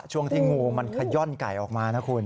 ช่วงที่งูมันขย่อนไก่ออกมานะคุณ